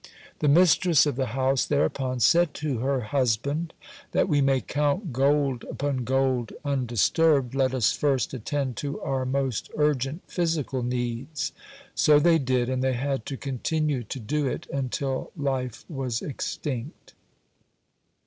The mistress of the house thereupon said to her husband: "That we may count gold upon gold undisturbed, let us first attend to our most urgent physical needs." So they did and they had to continue to do it until life was extinct.